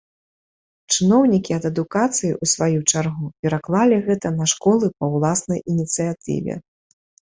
Чыноўнікі ад адукацыі, у сваю чаргу, пераклалі гэта на школы па уласнай ініцыятыве.